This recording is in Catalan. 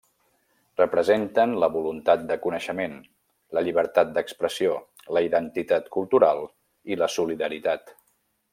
Representen la voluntat de coneixement, la llibertat d'expressió, la identitat cultural i la solidaritat.